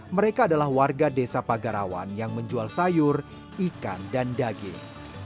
mereka adalah warga desa pagarawan yang menjual sayur ikan dan daging